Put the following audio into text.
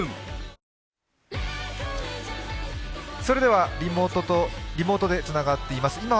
それでは、リモートでつながっています。